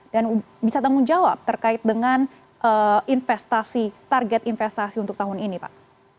dan bisa tanggung jawab terkait dengan investasi target investasi untuk tahun ini pak